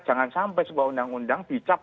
jangan sampai sebuah undang undang bicap